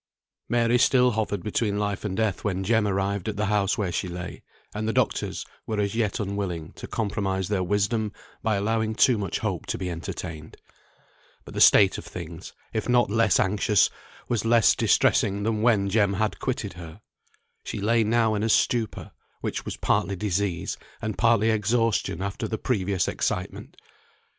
Mary still hovered between life and death when Jem arrived at the house where she lay; and the doctors were as yet unwilling to compromise their wisdom by allowing too much hope to be entertained. But the state of things, if not less anxious, was less distressing than when Jem had quitted her. She lay now in a stupor, which was partly disease, and partly exhaustion after the previous excitement.